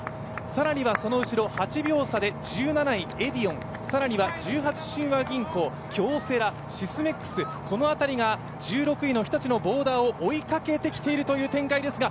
更にはその後ろ、８秒差で１７位エディオン、１８、親和銀行京セラ、シスメックス、この辺りが１６位の日立のボーダーを追いかけてきているという展開ですが